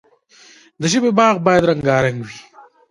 د ژبې باغ باید رنګارنګ وي.